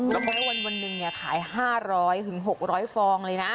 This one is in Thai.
แล้วก็วันหนึ่งขาย๕๐๐๖๐๐ฟองเลยนะ